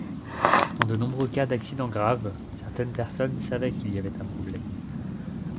Dans de nombreux cas d’accidents graves, certaines personnes savaient qu’il y avait un problème.